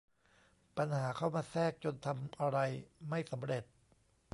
ปัญหาเข้ามาแทรกจนทำอะไรไม่สำเร็จ